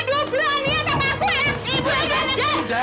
ibu jangan senangnya bicara sayang